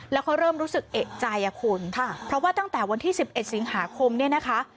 แล้วเขาเริ่มรู้สึกเอกใจอ่ะคุณค่ะเพราะว่าตั้งแต่วันที่๑๑สิงหาคมเนี่ยนะคะ